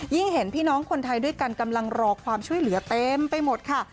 เห็นพี่น้องคนไทยด้วยกันกำลังรอความช่วยเหลือเต็มไปหมดค่ะ